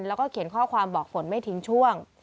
แล้วก็เขียนข้อความบอกฝนไม่ทิ้งช่วง